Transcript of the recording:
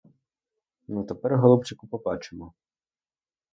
Ну, тепер, голубчику, побачимо!